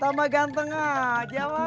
tambah ganteng aja